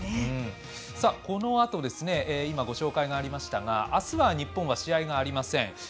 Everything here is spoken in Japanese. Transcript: このあと、ご紹介がありましたがあすは日本は試合がありません。